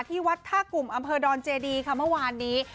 ที่วัดท่ากลุ่มอำเภอดอนเจดีค่ะเมื่อวานนี้